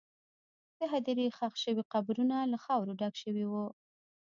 د هدیرې ښخ شوي قبرونه له خاورو ډک شوي وو.